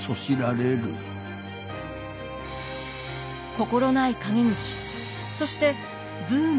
心ない陰口そしてブームの終焉。